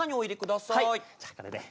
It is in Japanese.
じゃあこれで。